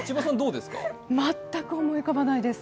全く思い浮かばないです。